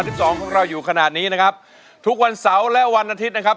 สิบสองของเราอยู่ขนาดนี้นะครับทุกวันเสาร์และวันอาทิตย์นะครับ